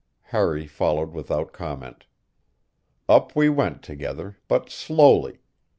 Harry followed without comment. Up we went together, but slowly.